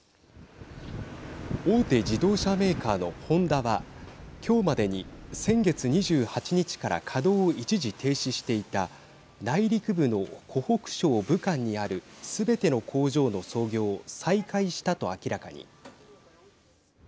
大手自動車メーカーのホンダは今日までに、先月２８日から稼働を一時停止していた内陸部の湖北省武漢にあるすべての工場の操業を再開したと明らかに。